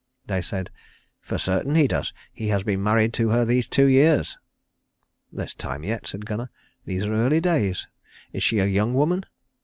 They said, "For certain he does. He has been married to her these two years." "There's time yet," said Gunnar; "these are early days. Is she a young woman?"